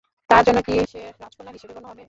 তার জন্য কি সে রাজকন্যা হিসেবে গণ্য হবে?